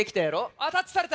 あっタッチされた。